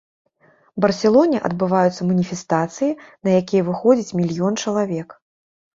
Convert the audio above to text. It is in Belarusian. Барселоне адбываюцца маніфестацыі, на якія выходзіць мільён чалавек.